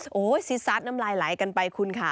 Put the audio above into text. โอ้โหซีซัดน้ำลายไหลกันไปคุณค่ะ